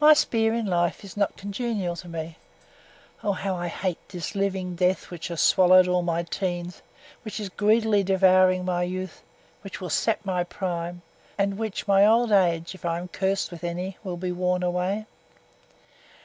_ _My sphere in life is not congenial to me. Oh, how I hate this living death which has swallowed all my teens, which is greedily devouring my youth, which will sap my prime, and in which my old age, if I am cursed with any, will be worn away!